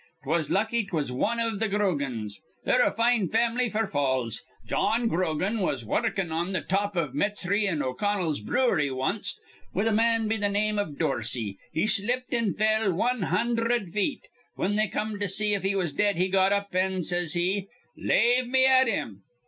'Twas lucky 'twas wan iv th' Grogans. They're a fine family f'r falls. Jawn Grogan was wurrukin' on th' top iv Metzri an' O'Connell's brewery wanst, with a man be th' name iv Dorsey. He slipped an' fell wan hundherd feet. Whin they come to see if he was dead, he got up, an' says he: 'Lave me at him.'